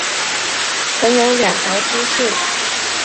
曾有两条支线。